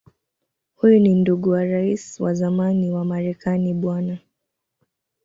Huyu ni ndugu wa Rais wa zamani wa Marekani Bw.